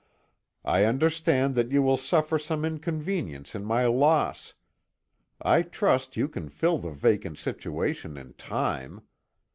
I understand that you will suffer some inconvenience in my loss. I trust you can fill the vacant situation in time.